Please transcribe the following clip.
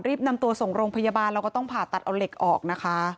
นำตัวส่งโรงพยาบาลแล้วก็ต้องผ่าตัดเอาเหล็กออกนะคะ